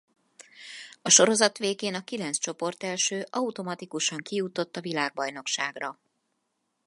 A sorozat végén a kilenc csoportelső automatikusan kijutott a világbajnokságra.